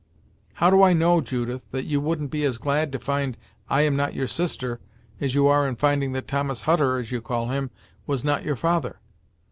"How do I know, Judith, that you wouldn't be as glad to find I am not your sister, as you are in finding that Thomas Hutter, as you call him, was not your father.